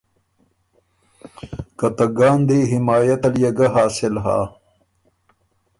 که ته ګاندهی حمايت ال يې ګۀ حاصل هۀ۔